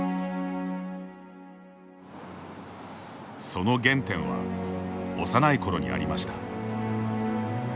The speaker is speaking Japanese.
その原点は、幼い頃にありました。